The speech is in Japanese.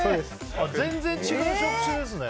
全然違いますね。